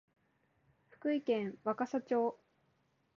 福井県若狭町